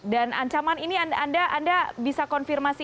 dan ancaman ini anda bisa konfirmasi